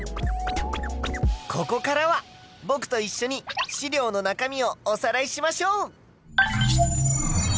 ここからはぼくといっしょに資料の中身をおさらいしましょう！